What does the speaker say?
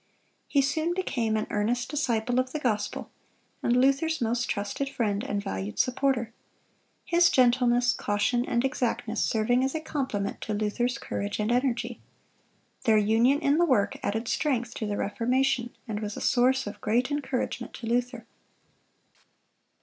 He soon became an earnest disciple of the gospel, and Luther's most trusted friend and valued supporter; his gentleness, caution, and exactness serving as a complement to Luther's courage and energy. Their union in the work added strength to the Reformation, and was a source of great encouragement to Luther.